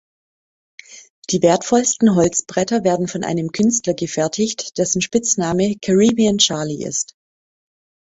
Die wertvollsten Holzbretter werden von einem Künstler gefertigt, dessen Spitzname "Caribbean Charlie" ist.